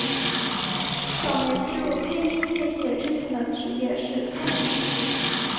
早年进入配音业界之前的职业是僧侣。